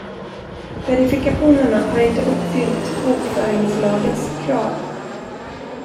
Verifikationerna har inte uppfyllt bokföringslagens krav.